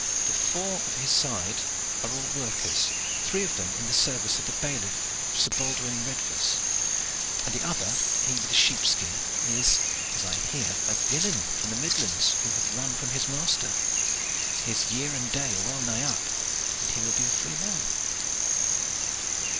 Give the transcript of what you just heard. The four on this side are all workers, three of them in the service of the bailiff of Sir Baldwin Redvers, and the other, he with the sheepskin, is, as I hear, a villein from the midlands who hath run from his master. His year and day are well nigh up, when he will be a free man."